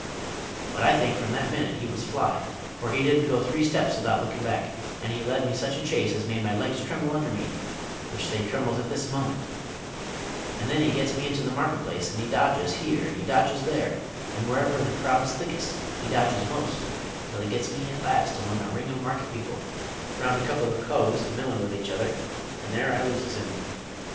But I think from that minute he was fly, for he did n't go three steps without lookin' back, and he led me such a chase as made my legs tremble under me, which they trembles at this moment; and then he gets me into the market place, and he dodges here, and he dodges there, and wherever the crowd's thickest he dodges most, till he gets me at last in among a ring of market people round a couple a coves a millin' with each other, and there I loses him.